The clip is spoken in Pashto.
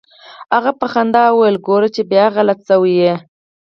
هغه په موسکا وويل ګوره چې بيا غلط شوې.